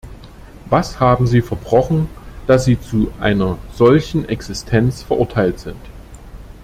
Was haben sie verbrochen, dass sie zu einer solchen Existenz verurteilt sind?